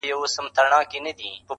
نو زړۀ به دې تر خولې پورې غريب سره راځي